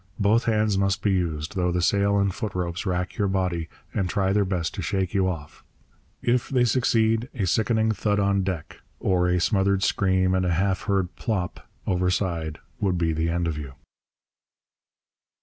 Both hands must be used, though the sail and foot ropes rack your body and try their best to shake you off. If they succeed, a sickening thud on deck, or a smothered scream and a half heard plopp! overside would be the end of you.